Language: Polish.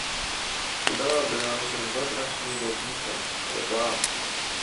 "przydała by nam się dobra śmigownica, ale ba!"